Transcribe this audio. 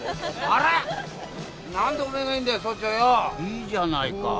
いいじゃないか。